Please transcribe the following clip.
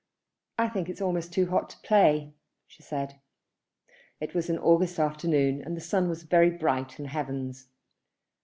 "I think it's almost too hot to play," she said. It was an August afternoon, and the sun was very bright in the heavens.